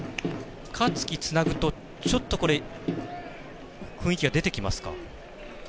香月つなぐと、ちょっと雰囲気が出てきますか？